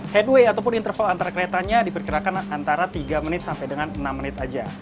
headway ataupun interval antara keretanya diperkirakan antara tiga menit sampai dengan enam menit saja